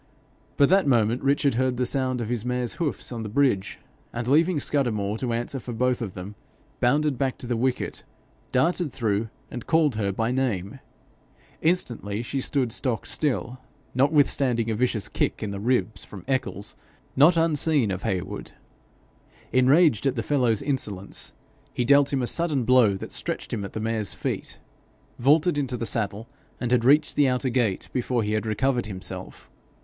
But that moment Richard heard the sound of his mare's hoofs on the bridge, and leaving Scudamore to answer for them both, bounded back to the wicket, darted through, and called her by name. Instantly she stood stock still, notwithstanding a vicious kick in the ribs from Eccles, not unseen of Heywood. Enraged at the fellow's insolence, he dealt him a sudden blow that stretched him at the mare's feet, vaulted into the saddle, and had reached the outer gate before he had recovered himself.